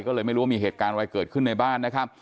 ก็เลยไม่รู้ว่ามีเหตุการณ์อะไรเกิดขึ้นในบ้านนะครับ